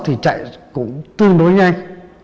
thì chạy cũng tương đối nhanh